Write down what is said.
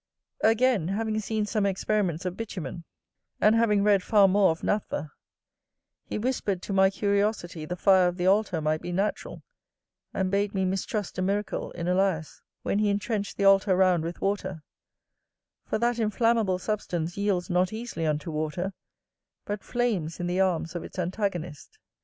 Again, having seen some experiments of bitumen, and having read far more of naphtha, he whispered to my curiosity the fire of the altar might be natural, and bade me mistrust a miracle in Elias, when he intrenched the altar round with water: for that inflamable substance yields not easily unto water, but flames in the arms of its antagonist.